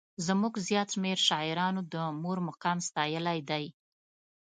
زموږ زیات شمېر شاعرانو د مور مقام ستایلی دی.